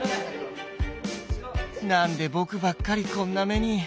何で僕ばっかりこんな目に。